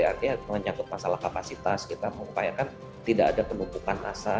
artinya menyangkut masalah kapasitas kita mengupayakan tidak ada penumpukan massa